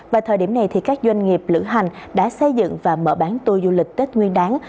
và thời điểm này các doanh nghiệp lữ hành đã xây dựng và mở bán tour du lịch tết nguyên đáng